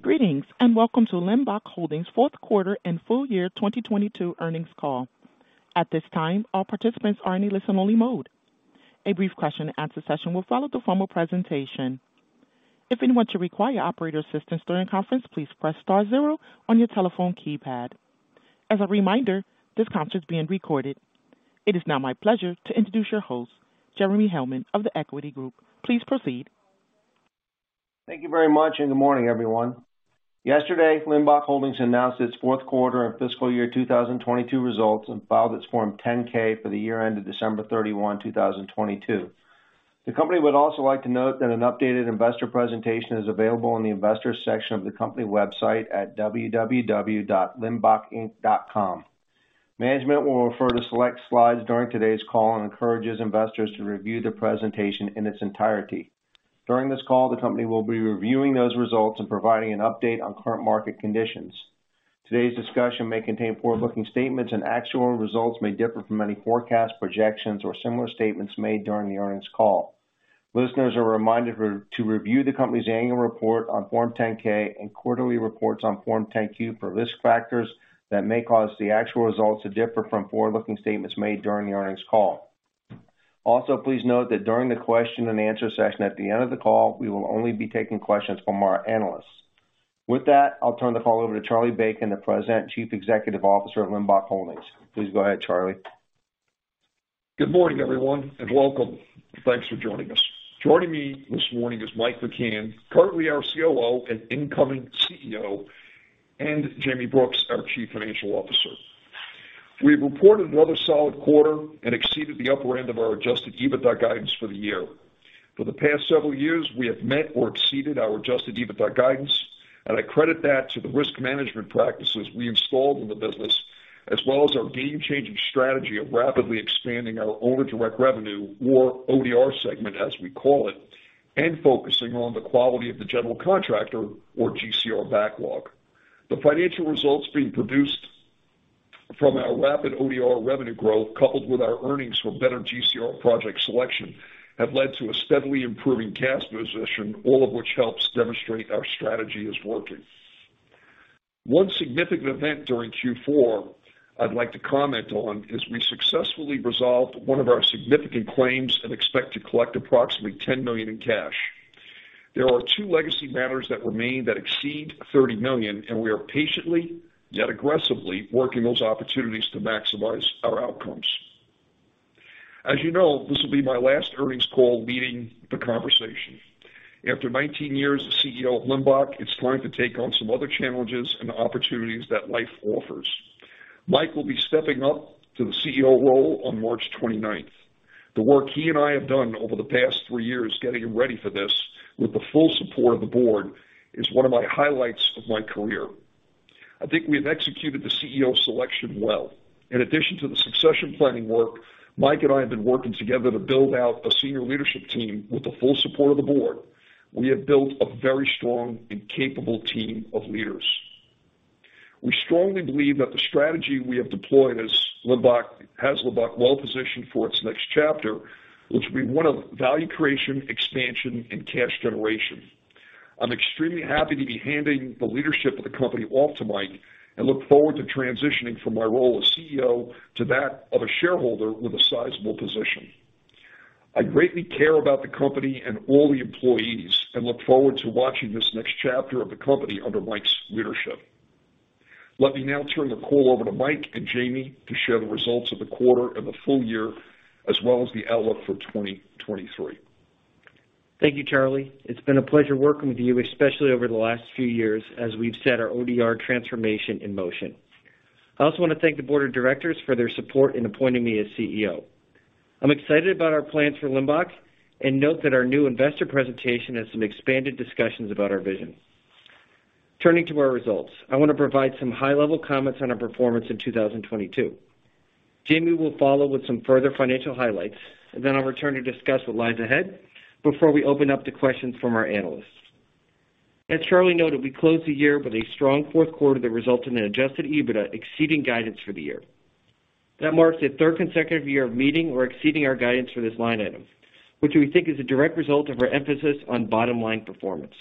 Greetings, welcome to Limbach Holdings fourth quarter and full year 2022 earnings call. At this time, all participants are in a listen-only mode. A brief question answer session will follow the formal presentation. If anyone should require operator assistance during the conference, please press star zero on your telephone keypad. As a reminder, this conference is being recorded. It is now my pleasure to introduce your host, Jeremy Hellman of The Equity Group. Please proceed. Thank you very much. Good morning, everyone. Yesterday, Limbach Holdings announced its fourth quarter and fiscal year 2022 results and filed its Form 10-K for the year ended December 31, 2022. The company would also like to note that an updated investor presentation is available in the investors section of the company website at www.limbachinc.com. Management will refer to select slides during today's call and encourages investors to review the presentation in its entirety. During this call, the company will be reviewing those results and providing an update on current market conditions. Today's discussion may contain forward-looking statements, and actual results may differ from any forecast, projections, or similar statements made during the earnings call. Listeners are reminded to review the company's annual report on Form 10-K and quarterly reports on Form 10-Q for risk factors that may cause the actual results to differ from forward-looking statements made during the earnings call. Also, please note that during the question and answer session at the end of the call, we will only be taking questions from our analysts. With that, I'll turn the call over to Charlie Bacon, the President Chief Executive Officer at Limbach Holdings. Please go ahead, Charlie. Good morning, everyone. Welcome. Thanks for joining us. Joining me this morning is Mike McCann, currently our COO and incoming CEO, and Jayme Brooks, our Chief Financial Officer. We've reported another solid quarter and exceeded the upper end of our Adjusted EBITDA guidance for the year. For the past several years, we have met or exceeded our Adjusted EBITDA guidance, and I credit that to the risk management practices we installed in the business, as well as our game-changing strategy of rapidly expanding our owner direct revenue or ODR segment, as we call it, and focusing on the quality of the general contractor or GCR backlog. The financial results being produced from our rapid ODR revenue growth, coupled with our earnings from better GCR project selection, have led to a steadily improving cash position, all of which helps demonstrate our strategy is working. One significant event during Q4 I'd like to comment on is we successfully resolved one of our significant claims and expect to collect approximately $10 million in cash. There are two legacy matters that remain that exceed $30 million. We are patiently, yet aggressively, working those opportunities to maximize our outcomes. As you know, this will be my last earnings call leading the conversation. After 19 years as CEO of Limbach, it's time to take on some other challenges and opportunities that life offers. Mike will be stepping up to the CEO role on March 29th. The work he and I have done over the past three years getting him ready for this, with the full support of the board, is one of my highlights of my career. I think we have executed the CEO selection well. In addition to the succession planning work, Mike and I have been working together to build out a senior leadership team with the full support of the Board. We have built a very strong and capable team of leaders. We strongly believe that the strategy we have deployed has Limbach well-positioned for its next chapter, which will be one of value creation, expansion, and cash generation. I'm extremely happy to be handing the leadership of the company off to Mike and look forward to transitioning from my role as CEO to that of a shareholder with a sizable position. I greatly care about the company and all the employees and look forward to watching this next chapter of the company under Mike's leadership. Let me now turn the call over to Mike and Jayme to share the results of the quarter and the full year, as well as the outlook for 2023. Thank you, Charlie. It's been a pleasure working with you, especially over the last few years, as we've set our ODR transformation in motion. I also wanna thank the board of directors for their support in appointing me as CEO. I'm excited about our plans for Limbach and note that our new investor presentation has some expanded discussions about our vision. Turning to our results, I wanna provide some high-level comments on our performance in 2022. Jayme will follow with some further financial highlights, and then I'll return to discuss what lies ahead before we open up the questions from our analysts. As Charlie noted, we closed the year with a strong fourth quarter that resulted in Adjusted EBITDA exceeding guidance for the year. That marks the third consecutive year of meeting or exceeding our guidance for this line item, which we think is a direct result of our emphasis on bottom-line performance.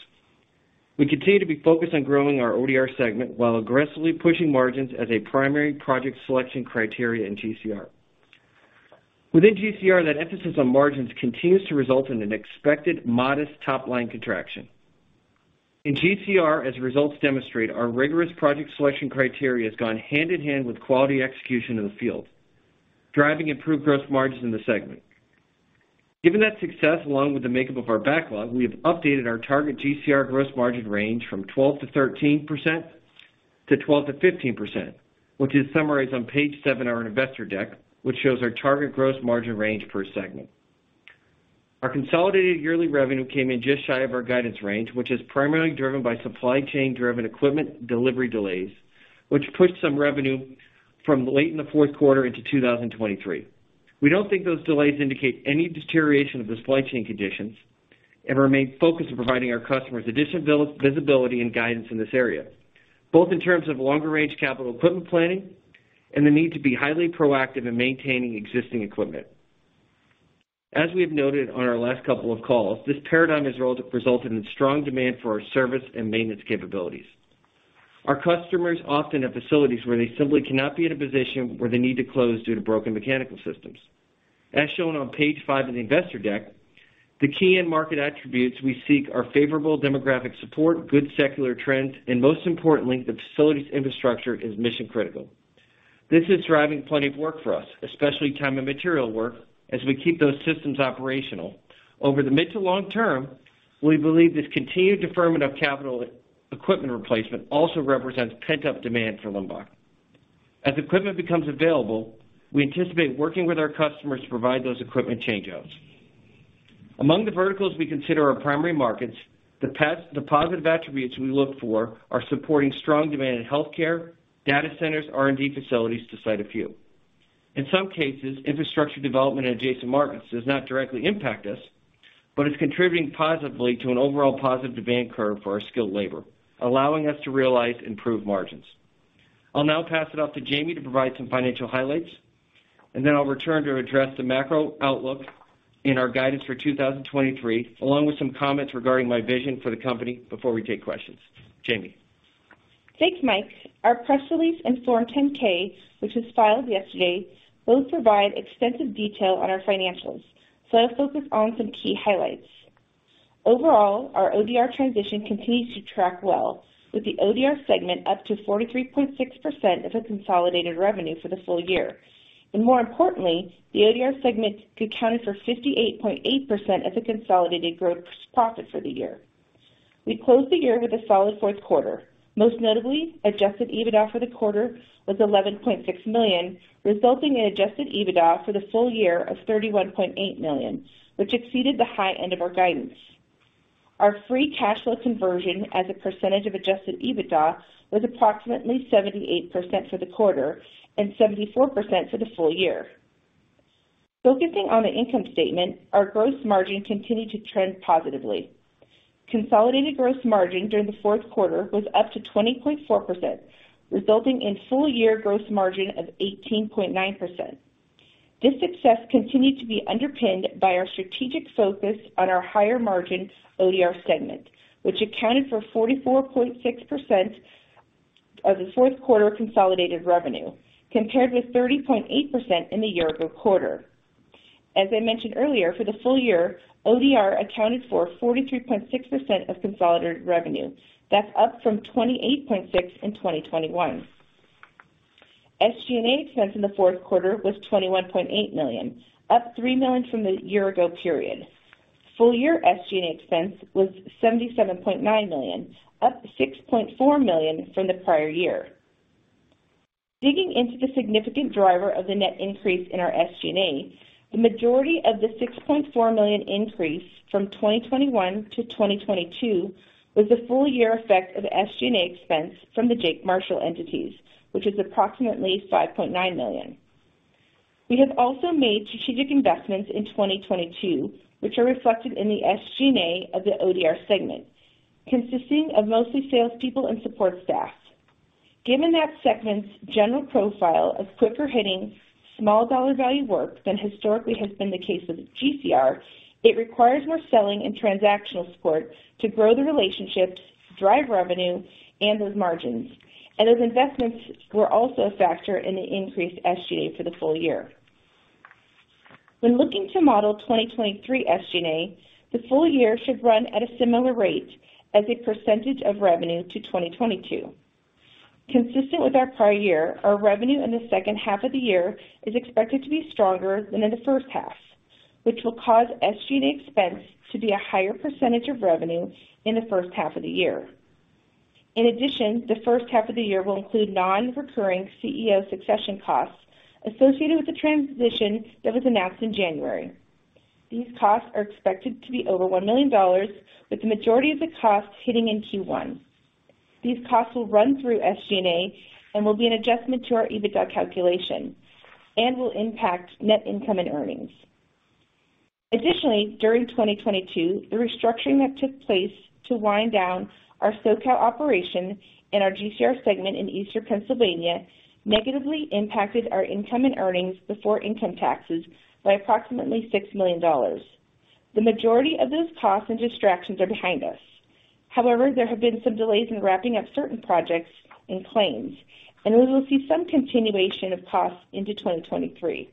We continue to be focused on growing our ODR segment while aggressively pushing margins as a primary project selection criteria in GCR. Within GCR, that emphasis on margins continues to result in an expected modest top-line contraction. In GCR, as results demonstrate, our rigorous project selection criteria has gone hand-in-hand with quality execution in the field, driving improved gross margins in the segment. Given that success, along with the makeup of our backlog, we have updated our target GCR gross margin range from 12%-13% to 12%-15%, which is summarized on page seven of our investor deck, which shows our target gross margin range per segment. Our consolidated yearly revenue came in just shy of our guidance range, which is primarily driven by supply chain-driven equipment delivery delays, which pushed some revenue from late in the fourth quarter into 2023. We don't think those delays indicate any deterioration of the supply chain conditions and remain focused on providing our customers additional visibility and guidance in this area, both in terms of longer-range capital equipment planning and the need to be highly proactive in maintaining existing equipment. As we have noted on our last couple of calls, this paradigm has resulted in strong demand for our service and maintenance capabilities. Our customers often have facilities where they simply cannot be in a position where they need to close due to broken mechanical systems. As shown on page five of the investor deck, the key end market attributes we seek are favorable demographic support, good secular trends, and most importantly, the facilities infrastructure is mission-critical. This is driving plenty of work for us, especially time and material work, as we keep those systems operational. Over the mid to long term, we believe this continued deferment of capital equipment replacement also represents pent-up demand for Limbach. As equipment becomes available, we anticipate working with our customers to provide those equipment changeouts. Among the verticals we consider our primary markets, the positive attributes we look for are supporting strong demand in healthcare, data centers, R&D facilities to cite a few. In some cases, infrastructure development in adjacent markets does not directly impact us, but it's contributing positively to an overall positive demand curve for our skilled labor, allowing us to realize improved margins. I'll now pass it off to Jayme to provide some financial highlights, and then I'll return to address the macro outlook in our guidance for 2023, along with some comments regarding my vision for the company before we take questions. Jayme. Thanks, Mike. Our press release and Form 10-K, which was filed yesterday, both provide extensive detail on our financials. I'll focus on some key highlights. Overall, our ODR transition continues to track well, with the ODR segment up to 43.6% of the consolidated revenue for the full year. More importantly, the ODR segment accounted for 58.8% of the consolidated gross profit for the year. We closed the year with a solid fourth quarter. Most notably, Adjusted EBITDA for the quarter was $11.6 million, resulting in Adjusted EBITDA for the full year of $31.8 million, which exceeded the high end of our guidance. Our free cash flow conversion as a percentage of Adjusted EBITDA was approximately 78% for the quarter and 74% for the full year. Focusing on the income statement, our gross margin continued to trend positively. Consolidated gross margin during the fourth quarter was up to 20.4%, resulting in full year gross margin of 18.9%. This success continued to be underpinned by our strategic focus on our higher margin ODR segment, which accounted for 44.6% of the fourth quarter consolidated revenue, compared with 30.8% in the year ago quarter. As I mentioned earlier, for the full year, ODR accounted for 43.6% of consolidated revenue. That's up from 28.6% in 2021. SG&A expense in the fourth quarter was $21.8 million, up $3 million from the year ago period. Full year SG&A expense was $77.9 million, up $6.4 million from the prior year. Digging into the significant driver of the net increase in our SG&A, the majority of the $6.4 million increase from 2021 to 2022 was the full year effect of SG&A expense from the Jake Marshall entities, which is approximately $5.9 million. We have also made strategic investments in 2022, which are reflected in the SG&A of the ODR segment, consisting of mostly salespeople and support staff. Given that segment's general profile of quicker hitting small dollar value work than historically has been the case with GCR, it requires more selling and transactional support to grow the relationships, drive revenue, and those margins. Those investments were also a factor in the increased SG&A for the full year. When looking to model 2023 SG&A, the full year should run at a similar rate as a percentage of revenue to 2022. Consistent with our prior year, our revenue in the second half of the year is expected to be stronger than in the first half, which will cause SG&A expense to be a higher percentage of revenue in the first half of the year. The first half of the year will include non-recurring CEO succession costs associated with the transition that was announced in January. These costs are expected to be over $1 million, with the majority of the costs hitting in Q1. These costs will run through SG&A and will be an adjustment to our EBITDA calculation and will impact net income and earnings. During 2022, the restructuring that took place to wind down our SoCal operation and our GCR segment in Eastern Pennsylvania negatively impacted our income and earnings before income taxes by approximately $6 million. The majority of those costs and distractions are behind us. However, there have been some delays in wrapping up certain projects and claims, and we will see some continuation of costs into 2023.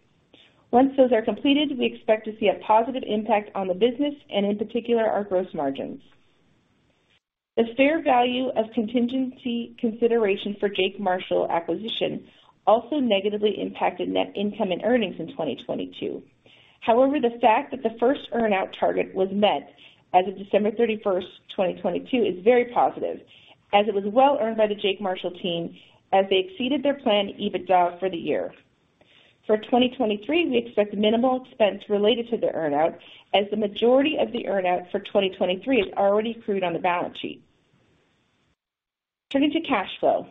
Once those are completed, we expect to see a positive impact on the business and, in particular, our gross margins. The fair value of contingency consideration for Jake Marshall acquisition also negatively impacted net income and earnings in 2022. However, the fact that the first earn out target was met as of December 31st, 2022 is very positive as it was well earned by the Jake Marshall team as they exceeded their planned EBITDA for the year. For 2023, we expect minimal expense related to the earn out, as the majority of the earn out for 2023 is already accrued on the balance sheet. Turning to cash flow.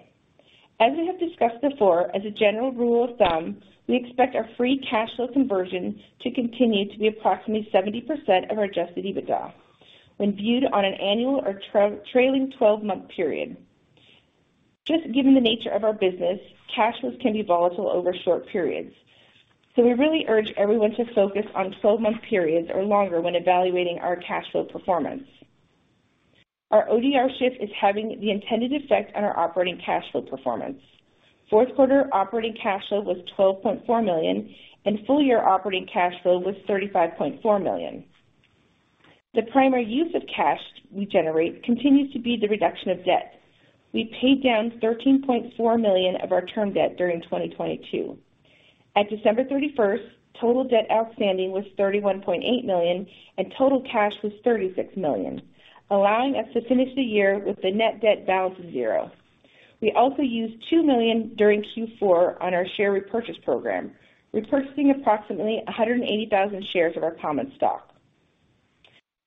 As we have discussed before, as a general rule of thumb, we expect our free cash flow conversion to continue to be approximately 70% of our Adjusted EBITDA when viewed on an annual or trailing 12-month period. Given the nature of our business, cash flows can be volatile over short periods. We really urge everyone to focus on 12-month periods or longer when evaluating our cash flow performance. Our ODR shift is having the intended effect on our operating cash flow performance. Fourth quarter operating cash flow was $12.4 million, and full-year operating cash flow was $35.4 million. The primary use of cash we generate continues to be the reduction of debt. We paid down $13.4 million of our term debt during 2022. At December 31st, total debt outstanding was $31.8 million, and total cash was $36 million, allowing us to finish the year with the net debt balance of $0. We also used $2 million during Q4 on our share repurchase program, repurchasing approximately 180,000 shares of our common stock.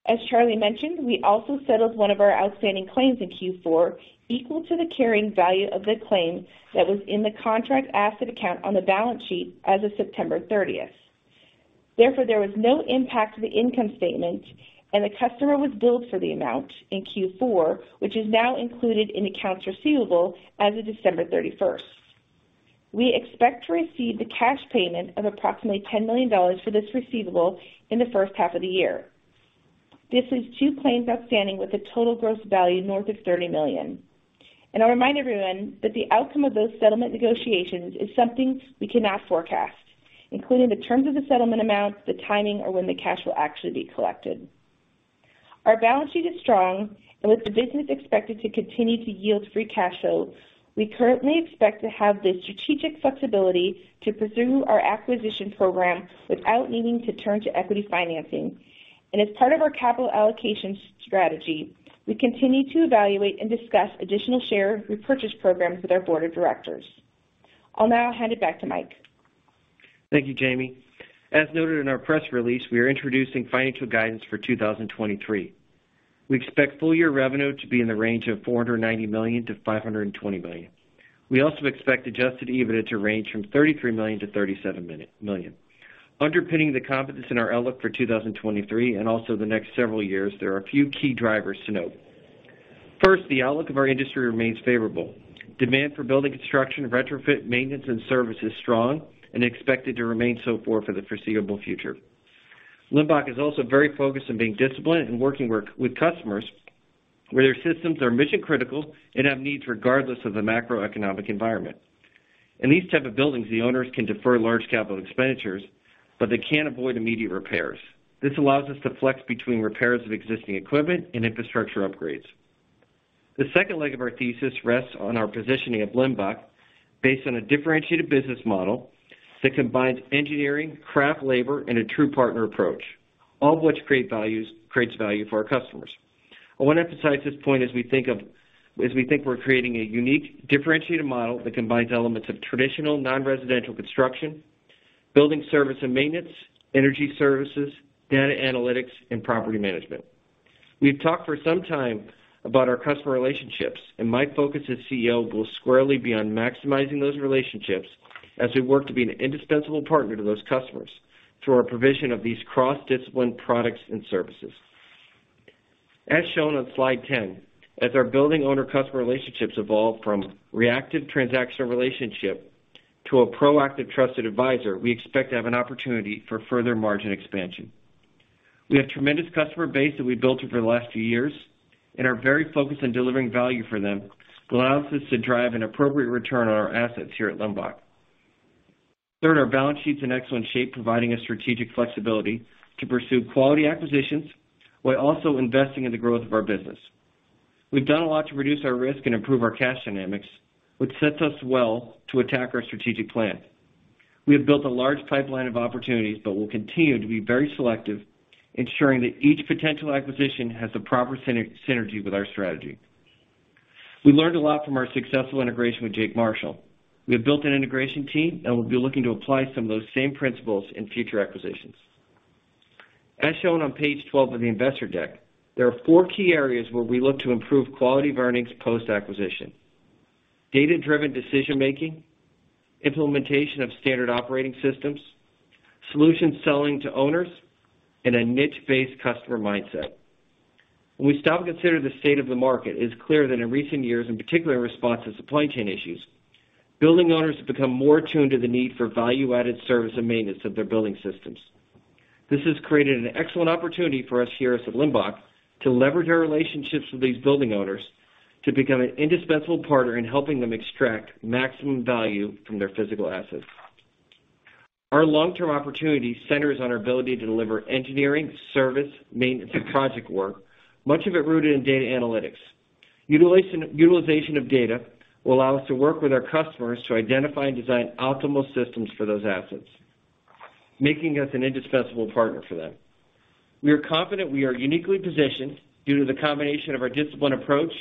As Charlie mentioned, we also settled one of our outstanding claims in Q4 equal to the carrying value of the claim that was in the contract asset account on the balance sheet as of September 30th. Therefore, there was no impact to the income statement, and the customer was billed for the amount in Q4, which is now included in accounts receivable as of December 31st. We expect to receive the cash payment of approximately $10 million for this receivable in the first half of the year. This leaves two claims outstanding with a total gross value north of $30 million. I'll remind everyone that the outcome of those settlement negotiations is something we cannot forecast, including the terms of the settlement amount, the timing, or when the cash will actually be collected. Our balance sheet is strong, and with the business expected to continue to yield free cash flow, we currently expect to have the strategic flexibility to pursue our acquisition program without needing to turn to equity financing. As part of our capital allocation strategy, we continue to evaluate and discuss additional share repurchase programs with our board of directors. I'll now hand it back to Mike. Thank you, Jayme. As noted in our press release, we are introducing financial guidance for 2023. We expect full year revenue to be in the range of $490 million-$520 million. We also expect Adjusted EBITDA to range from $33 million-$37 million. Underpinning the confidence in our outlook for 2023 and also the next several years, there are a few key drivers to note. First, the outlook of our industry remains favorable. Demand for building construction, retrofit, maintenance, and service is strong and expected to remain so forth for the foreseeable future. Limbach is also very focused on being disciplined and working with customers where their systems are mission-critical and have needs regardless of the macroeconomic environment. In these type of buildings, the owners can defer large capital expenditures, but they can't avoid immediate repairs. This allows us to flex between repairs of existing equipment and infrastructure upgrades. The second leg of our thesis rests on our positioning at Limbach based on a differentiated business model that combines engineering, craft labor, and a true partner approach, all of which creates value for our customers. I wanna emphasize this point as we think we're creating a unique, differentiated model that combines elements of traditional non-residential construction, building service and maintenance, energy services, data analytics, and property management. We've talked for some time about our customer relationships. My focus as CEO will squarely be on maximizing those relationships as we work to be an indispensable partner to those customers through our provision of these cross-discipline products and services. As shown on slide 10, as our building owner customer relationships evolve from reactive transactional relationship to a proactive trusted advisor, we expect to have an opportunity for further margin expansion. We have tremendous customer base that we've built over the last few years and are very focused on delivering value for them, allows us to drive an appropriate return on our assets here at Limbach. Third, our balance sheet's in excellent shape, providing us strategic flexibility to pursue quality acquisitions while also investing in the growth of our business. We've done a lot to reduce our risk and improve our cash dynamics, which sets us well to attack our strategic plan. We have built a large pipeline of opportunities, but we'll continue to be very selective, ensuring that each potential acquisition has the proper synergy with our strategy. We learned a lot from our successful integration with Jake Marshall. We have built an integration team, and we'll be looking to apply some of those same principles in future acquisitions. As shown on page 12 of the investor deck, there are four key areas where we look to improve quality of earnings post-acquisition: data-driven decision-making, implementation of standard operating systems, solution selling to owners, and a niche-based customer mindset. When we stop and consider the state of the market, it's clear that in recent years, in particular in response to supply chain issues, building owners have become more attuned to the need for value-added service and maintenance of their building systems. This has created an excellent opportunity for us at Limbach to leverage our relationships with these building owners to become an indispensable partner in helping them extract maximum value from their physical assets. Our long-term opportunity centers on our ability to deliver engineering, service, maintenance, and project work, much of it rooted in data analytics. Utilization of data will allow us to work with our customers to identify and design optimal systems for those assets, making us an indispensable partner for them. We are confident we are uniquely positioned due to the combination of our disciplined approach,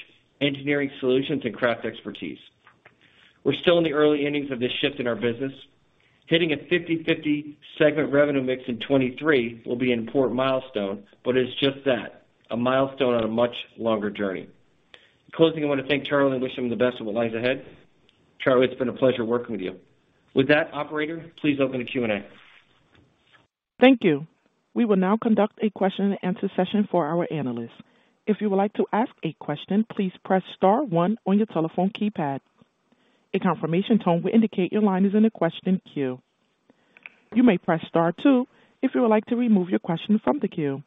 engineering solutions, and craft expertise. We're still in the early innings of this shift in our business. Hitting a 50/50 segment revenue mix in 2023 will be an important milestone, but it's just that, a milestone on a much longer journey. In closing, I wanna thank Charlie and wish him the best of what lies ahead. Charlie, it's been a pleasure working with you. With that, operator, please open the Q&A. Thank you. We will now conduct a question and answer session for our analysts. If you would like to ask a question, please press star one on your telephone keypad. A confirmation tone will indicate your line is in a question queue. You may press star two if you would like to remove your question from the queue.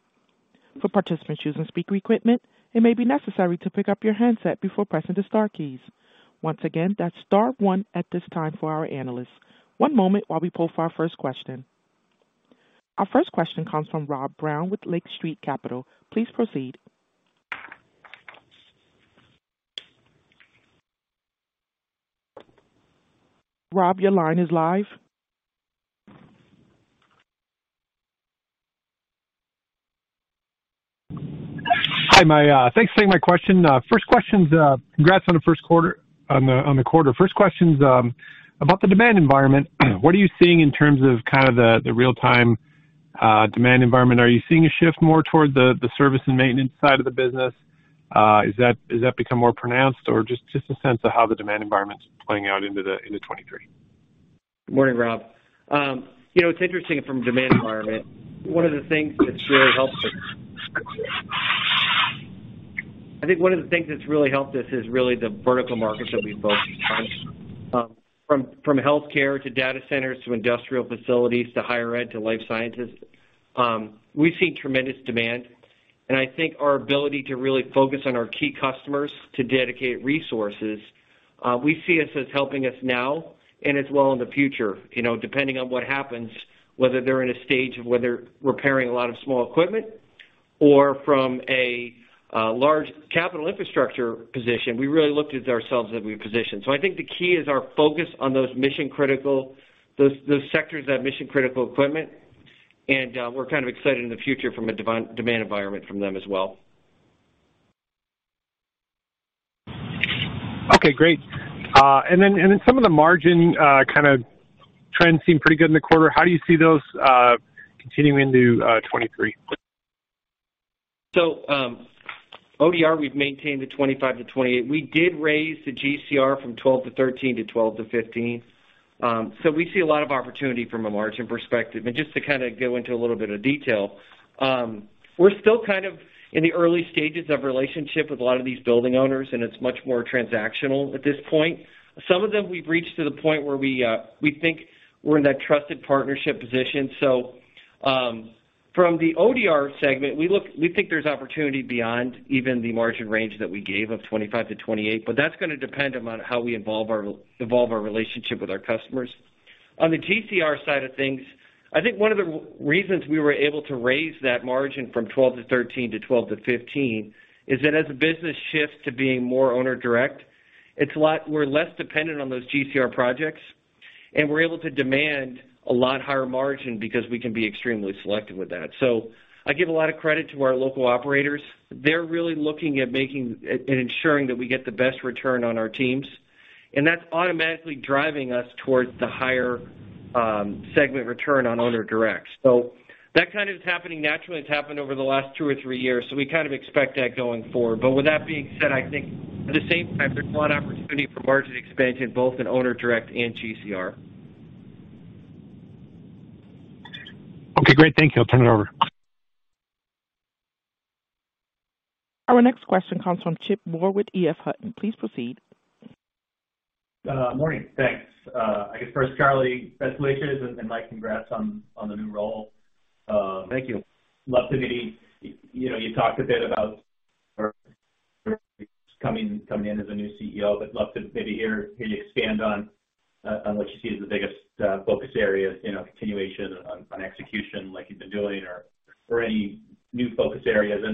For participants using speaker equipment, it may be necessary to pick up your handset before pressing the star keys. Once again, that's star one at this time for our analysts. One moment while we pull for our first question. Our first question comes from Rob Brown with Lake Street Capital. Please proceed. Rob, your line is live. Hi, Mike. Thanks for taking my question. First question's, congrats on the quarter. First question's about the demand environment. What are you seeing in terms of kind of the real-time demand environment? Are you seeing a shift more towards the service and maintenance side of the business? Is that become more pronounced or just a sense of how the demand environment's playing out into 2023. Good morning, Rob. You know, it's interesting from a demand environment. One of the things that's really helped us is really the vertical markets that we focus on. From healthcare to data centers to industrial facilities to higher ed to life sciences, we've seen tremendous demand. I think our ability to really focus on our key customers to dedicate resources, we see it as helping us now and as well in the future. You know, depending on what happens, whether they're in a stage of whether repairing a lot of small equipment or from a large capital infrastructure position, we really looked at ourselves that we positioned. I think the key is our focus on those mission-critical, those sectors that mission critical equipment, and, we're kind of excited in the future from a demand environment from them as well. Okay, great. Some of the margin, kinda trends seem pretty good in the quarter. How do you see those continuing into 2023? ODR, we've maintained the 25%-28%. We did raise the GCR from 12% to 13% to 12% to 15%. We see a lot of opportunity from a margin perspective. Just to kinda go into a little bit of detail, we're still kind of in the early stages of relationship with a lot of these building owners, and it's much more transactional at this point. Some of them, we've reached to the point where we think we're in that trusted partnership position. From the ODR segment, we think there's opportunity beyond even the margin range that we gave of 25%-28%, but that's gonna depend on how we evolve our relationship with our customers. On the GCR side of things, I think one of the reasons we were able to raise that margin from 12%-13% to 12%-15% is that as the business shifts to being more owner direct, we're less dependent on those GCR projects, and we're able to demand a lot higher margin because we can be extremely selective with that. I give a lot of credit to our local operators. They're really looking at making and ensuring that we get the best return on our teams, and that's automatically driving us towards the higher segment return on owner direct. That kind of is happening naturally. It's happened over the last two or three years, we kind of expect that going forward. With that being said, I think at the same time, there's a lot of opportunity for margin expansion, both in owner direct and GCR. Okay, great. Thank you. I'll turn it over. Our next question comes from Chip Moore with EF Hutton. Please proceed. Morning. Thanks. I guess first, Charlie, congratulations, and Mike congrats on the new role. Thank you. Love to maybe, you know, you talked a bit about coming in as a new CEO, but love to maybe hear you expand on what you see as the biggest focus areas, you know, continuation on execution like you've been doing or any new focus areas.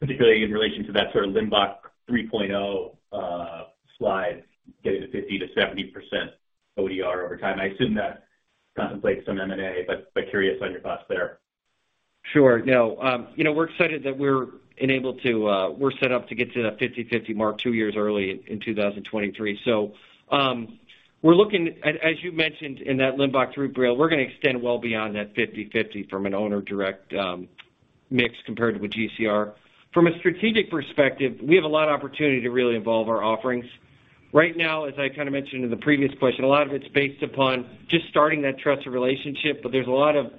Particularly in relation to that sort of Limbach 3.0 slide, getting to 50%-70% ODR over time. I assume that contemplates some M&A, but curious on your thoughts there. Sure. No. You know, we're excited that we're enabled to, we're set up to get to that 50/50 mark two years early in 2023. As you mentioned in that Limbach 3.0, we're gonna extend well beyond that 50/50 from an owner direct mix compared with GCR. From a strategic perspective, we have a lot of opportunity to really evolve our offerings. Right now, as I kinda mentioned in the previous question, a lot of it is based upon just starting that trusted relationship, but there's a lot of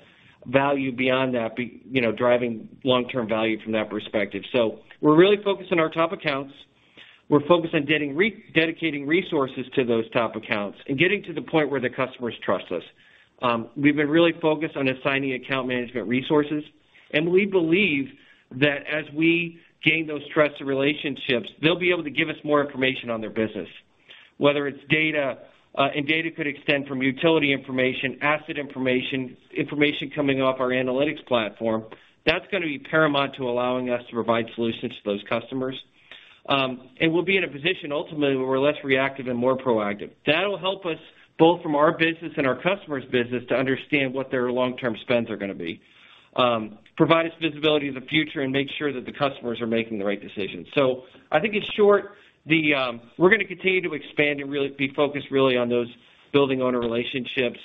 value beyond that, you know, driving long-term value from that perspective. We're really focused on our top accounts. We're focused on getting dedicating resources to those top accounts and getting to the point where the customers trust us. We've been really focused on assigning account management resources. We believe that as we gain those trusted relationships, they'll be able to give us more information on their business, whether it's data, and data could extend from utility information, asset information coming off our analytics platform. That's gonna be paramount to allowing us to provide solutions to those customers. We'll be in a position, ultimately, where we're less reactive and more proactive. That'll help us both from our business and our customer's business to understand what their long-term spends are gonna be, provide us visibility in the future and make sure that the customers are making the right decisions. I think it's short. We're gonna continue to expand and really be focused really on those building owner relationships.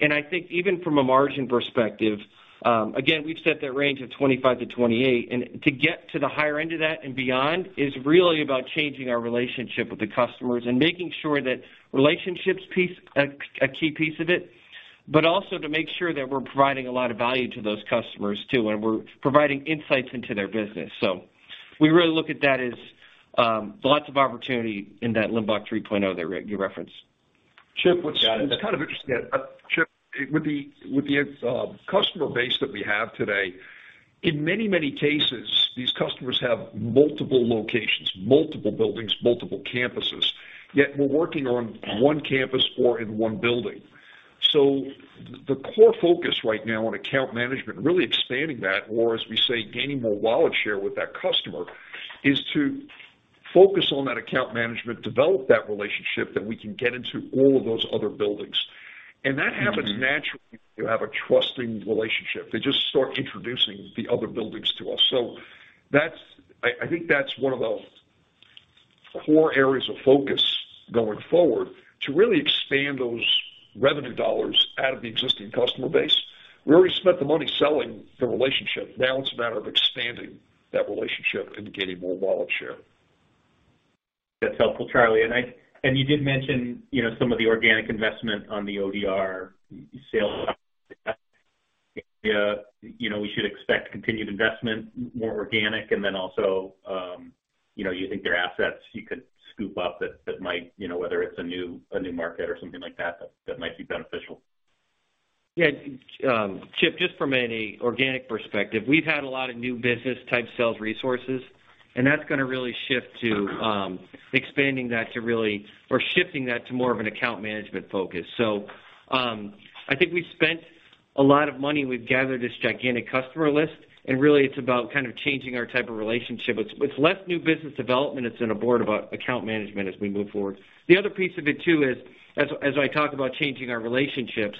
I think even from a margin perspective, again, we've set that range of 25%-28%. To get to the higher end of that and beyond is really about changing our relationship with the customers and making sure that relationships piece, a key piece of it. Also to make sure that we're providing a lot of value to those customers too, and we're providing insights into their business. We really look at that as lots of opportunity in that Limbach 3.0 that you referenced. Chip what's— Got it. —kind of interesting. Chip, with the customer base that we have today, in many, many cases, these customers have multiple locations, multiple buildings, multiple campuses, yet we're working on one campus or in one building. The core focus right now on account management, really expanding that or, as we say, gaining more wallet share with that customer, is to focus on that account management, develop that relationship, that we can get into all of those other buildings. Mm-hmm. That happens naturally when you have a trusting relationship. They just start introducing the other buildings to us. I think that's one of the core areas of focus going forward, to really expand those revenue dollars out of the existing customer base. We already spent the money selling the relationship. Now it's a matter of expanding that relationship and gaining more wallet share. That's helpful, Charlie. You did mention, you know, some of the organic investment on the ODR sales. Yeah. You know, we should expect continued investment, more organic, and then also, you know, you think there are assets you could scoop up that might, you know, whether it's a new market or something like that might be beneficial. Yeah. Chip, just from an organic perspective, we've had a lot of new business type sales resources, that's gonna really shift to shifting that to more of an account management focus. I think we've spent a lot of money. We've gathered this gigantic customer list, really, it's about kind of changing our type of relationship. It's less new business development. It's in a board about account management as we move forward. The other piece of it too is, as I talk about changing our relationships,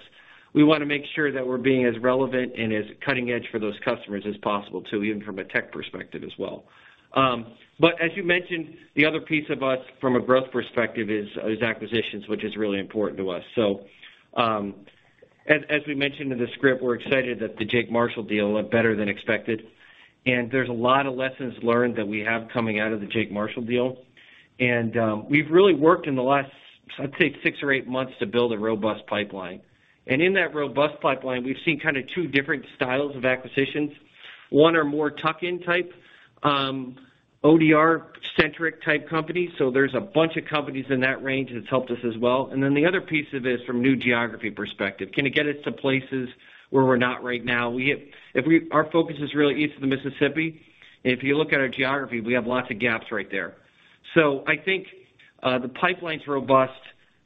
we wanna make sure that we're being as relevant and as cutting edge for those customers as possible, too, even from a tech perspective as well. As you mentioned, the other piece of us from a growth perspective is acquisitions, which is really important to us. As we mentioned in the script, we're excited that the Jake Marshall deal went better than expected. There's a lot of lessons learned that we have coming out of the Jake Marshall deal. We've really worked in the last, I'd say, six or eight months to build a robust pipeline. In that robust pipeline, we've seen kinda two different styles of acquisitions. One are more tuck-in type, ODR-centric type companies. There's a bunch of companies in that range that's helped us as well. The other piece of it is from new geography perspective. Can it get us to places where we're not right now? Our focus is really east of the Mississippi. If you look at our geography, we have lots of gaps right there. I think the pipeline's robust.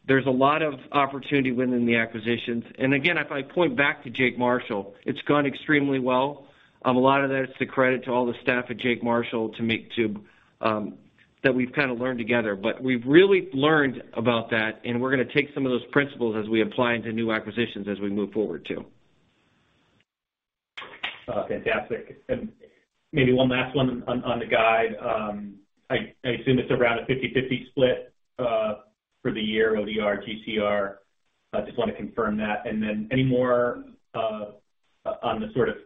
There's a lot of opportunity within the acquisitions. Again, if I point back to Jake Marshall, it's gone extremely well. A lot of that is to credit to all the staff at Jake Marshall to that we've kinda learned together. We've really learned about that, and we're gonna take some of those principles as we apply into new acquisitions as we move forward, too. Fantastic. Maybe one last one on the guide. I assume it's around a 50/50 split, for the year ODR GCR. I just want to confirm that. Any more, on the sort of,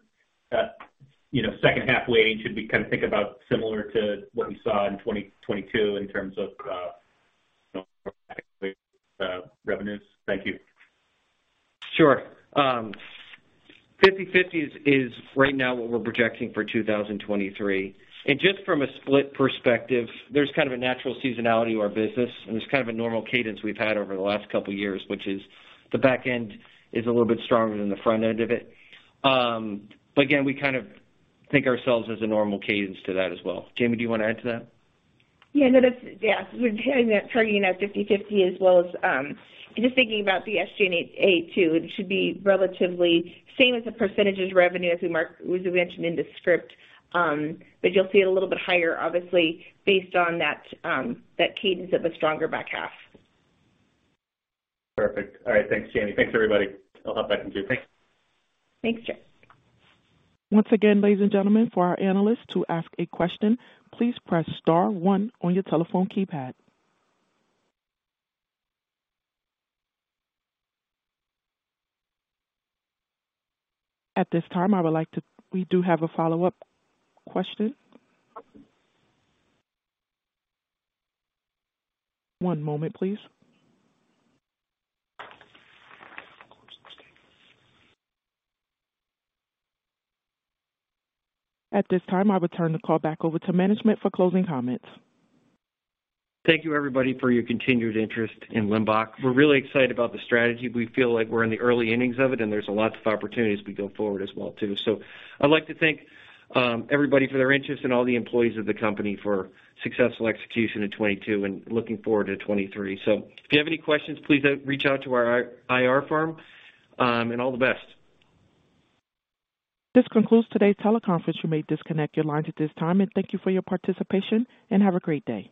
you know, second half weight, should we kind of think about similar to what you saw in 2022 in terms of, revenues? Thank you. Sure. 50/50 is right now what we're projecting for 2023. Just from a split perspective, there's kind of a natural seasonality to our business, and there's kind of a normal cadence we've had over the last couple years, which is the back end is a little bit stronger than the front end of it. Again, we kind of think ourselves as a normal cadence to that as well. Jayme, do you wanna add to that? Yeah. No, that's. Yeah. We're targeting that 50/50 as well as, just thinking about the SG&A, too, it should be relatively same as the percentages revenue as we mentioned in the script, but you'll see it a little bit higher, obviously, based on that cadence of a stronger back half. Perfect. All right. Thanks, Jayme. Thanks, everybody. I'll hop back in queue. Thanks. Thanks, Chip. Once again, ladies and gentlemen, for our analysts to ask a question, please press star one on your telephone keypad. At this time, we do have a follow-up question. One moment, please. At this time, I will turn the call back over to management for closing comments. Thank you, everybody, for your continued interest in Limbach. We're really excited about the strategy. We feel like we're in the early innings of it, and there's lots of opportunities as we go forward as well, too. I'd like to thank everybody for their interest and all the employees of the company for successful execution in 2022 and looking forward to 2023. If you have any questions, please reach out to our IR firm and all the best. This concludes today's teleconference. You may disconnect your lines at this time, and thank you for your participation, and have a great day.